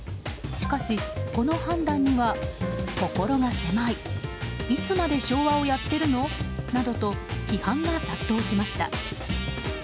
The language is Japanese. しかし、この判断には心が狭いいつまで昭和をやってるの？などと批判が殺到しました。